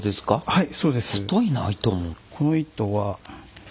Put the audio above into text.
はい。